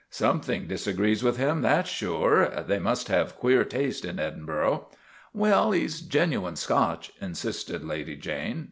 ' Something disagrees with him, that's sure. They must have queer taste in Edinburgh." " Well, he 's genuine Scotch," insisted Lady Jane.